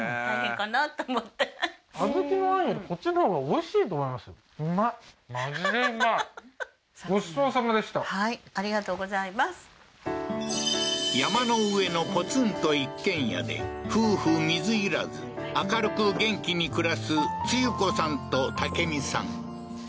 美味い山の上のポツンと一軒家で夫婦水入らず明るく元気に暮らすツユ子さんと武美さん